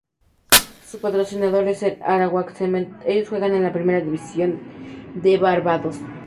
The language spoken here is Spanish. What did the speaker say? Su patrocinador es el Arawak Cement, ellos juegan en la primera división de barbados.